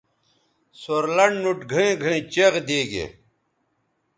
سور لنڈ نُوٹ گھئیں گھئیں چیغ دیگے